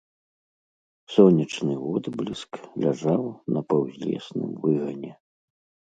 Сонечны водбліск ляжаў на паўзлесным выгане.